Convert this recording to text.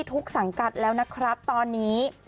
สังกัดแล้วนะครับตอนนี้